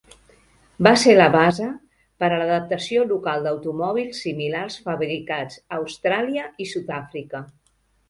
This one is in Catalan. Va ser la base per a l'adaptació local d'automòbils similars fabricats a Austràlia i Sud-àfrica.